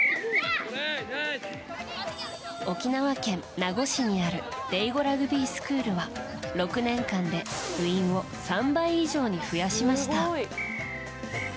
沖縄県名護市にあるデイゴラグビースクールは６年間で部員を３倍以上に増やしました。